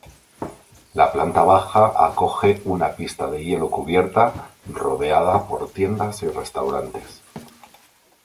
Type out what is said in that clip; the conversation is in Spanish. La planta baja acoge una pista de hielo cubierta, rodeada por tiendas y restaurantes.